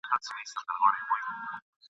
چي له جګو جګو غرونو له پېچومو کنډوونو !.